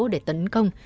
để tấn công